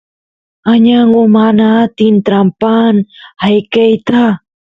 añangu mana atin trampaan ayqeyta